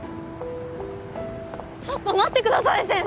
ちょっと待ってください先生